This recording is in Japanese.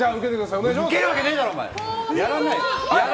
受けるわけねえだろ！